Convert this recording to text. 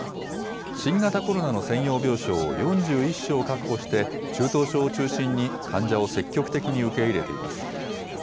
新型コロナの専用病床を４１床確保して、中等症を中心に、患者を積極的に受け入れています。